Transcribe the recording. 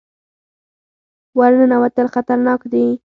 ور ننوتل خطرناک دي.